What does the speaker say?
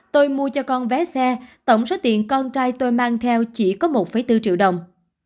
tôi mua cho con vé xe tổng số tiền con trai tôi mang theo chỉ có một bốn triệu đồng